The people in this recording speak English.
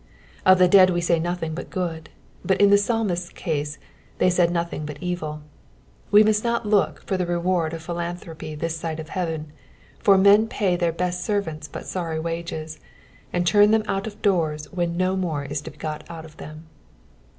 Of the dead we say nothing but good, but in the psalmist's cose they said nothing but evil. We must not look for the reward of philanthropy this side of heaven, for men pay their best aerrants but Borry wages, and turn them ont ot doors when no more is to be got out of them.